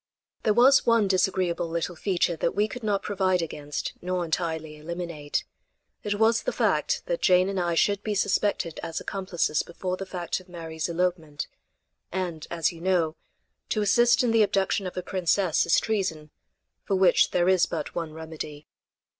There was one disagreeable little feature that we could not provide against nor entirely eliminate. It was the fact that Jane and I should be suspected as accomplices before the fact of Mary's elopement; and, as you know, to assist in the abduction of a princess is treason for which there is but one remedy.